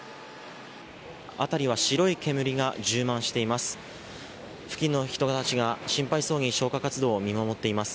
辺りは白い煙が充満しています。